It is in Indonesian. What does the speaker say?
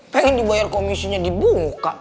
pengen dibayar komisinya dibuka